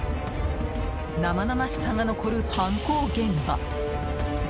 生々しさが残る犯行現場。